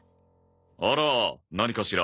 あら何かしら？